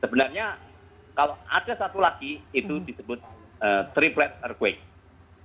sebenarnya kalau ada satu lagi itu disebut triplet airquage